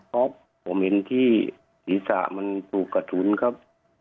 ครับผมเห็นที่ศรีษะมันถูกกระทุนครับ